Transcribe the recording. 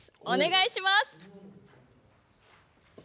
お願いします。